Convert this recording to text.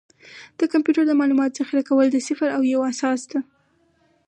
د کمپیوټر د معلوماتو ذخیره کول د صفر او یو په اساس ده.